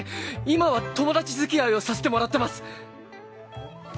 今は友達づきあいをさせてもらってます。